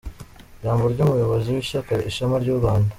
Ijambo ry’Umuyobozi w’Ishyaka Ishema ry’u Rwanda